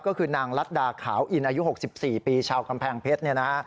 ก็คือนางรัฐดาขาวอินอายุ๖๔ปีชาวกำแพงเพชร